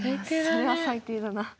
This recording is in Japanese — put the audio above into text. それは最低だな。